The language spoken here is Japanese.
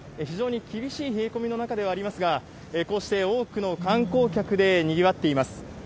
非常に厳しい冷え込みの中ではありますが、こうして多くの観光客でにぎわっています。